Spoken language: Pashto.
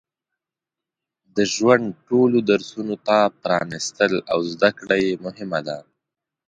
د ژوند ټولو درسونو ته پرانستل او زده کړه یې مهمه ده.